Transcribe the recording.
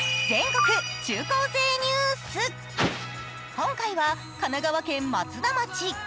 今回は神奈川県・松田町。